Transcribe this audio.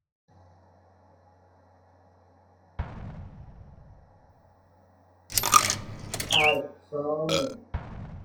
اَرسامِن